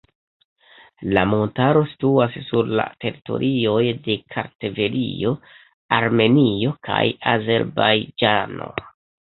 La montaro situas sur la teritorioj de Kartvelio, Armenio kaj Azerbajĝano.